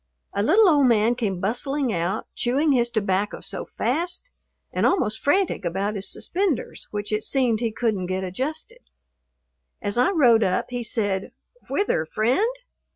A little old man came bustling out, chewing his tobacco so fast, and almost frantic about his suspenders, which it seemed he couldn't get adjusted. As I rode up, he said, "Whither, friend?"